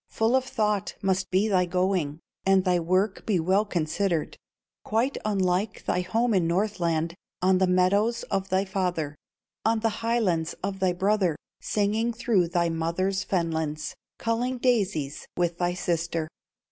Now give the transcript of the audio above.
"Full of thought must be thy going, And thy work be well considered, Quite unlike thy home in Northland, On the meadows of thy father, On the highlands of thy brother, Singing through thy mother's fenlands, Culling daisies with thy sister.